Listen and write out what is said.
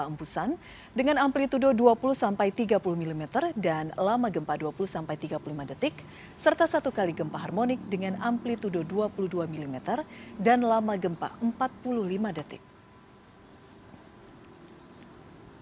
berdasarkan pengamatan visual cctv gunung anak rakatau yang berlokasi di perairan selat sunda terpantau meletus dan menyemburkan abu vulkanis berwarna kelabu ke udara dengan ketinggian kolom abu mencapai seribu meter dari puncak